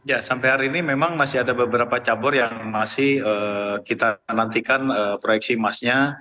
ya sampai hari ini memang masih ada beberapa cabur yang masih kita nantikan proyeksi emasnya